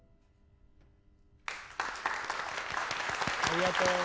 ありがとう。